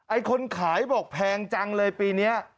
ไอ้คนขายบอกแพงจังเลยปีนี้